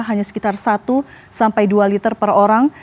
hanya sekitar satu sampai dua liter per orang